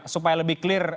supaya lebih clear